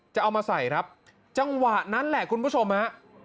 จะเอามาใส่ครับจังหวะนั้นแหละคุณผู้ชมฮะ